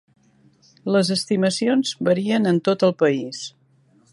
Les estimacions varien en tot el país.